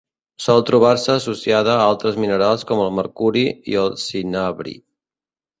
Sol trobar-se associada a altres minerals com el mercuri i el cinabri.